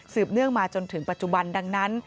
เนื่องมาจนถึงปัจจุบันดังนั้น